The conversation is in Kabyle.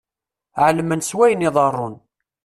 Ɛelmen s wayen iḍerrun.